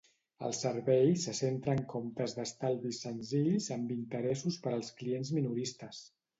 El servei se centra en comptes d'estalvi senzills amb interessos per als clients minoristes.